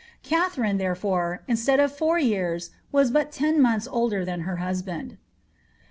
Katharine, there fore, instead of four years, was but ten months, older than her husband.